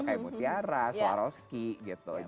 kayak mutiara swarovski gitu